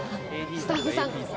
スタッフさん。